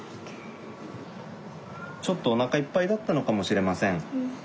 ちょっとおなかいっぱいだったのかもしれません。